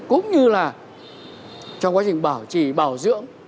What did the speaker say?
cũng như là trong quá trình bảo trì bảo dưỡng